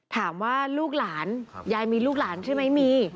ถามว่าลูกหลานยายมีลูกหลานใช่ไหมมี